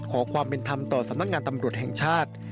ขอความเป็นธรรมต่อสำนักงานตำรวจแห่งชาติ